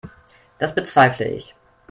Das bezweifle ich.